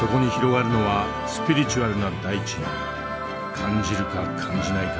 感じるか感じないか